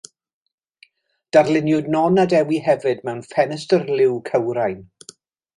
Darluniwyd Non a Dewi hefyd mewn ffenestr liw cywrain.